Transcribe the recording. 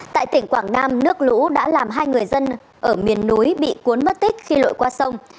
tại tỉnh quảng nam nước lũ đã làm hai người dân ở miền núi bị cuốn mất tích khi lội qua sông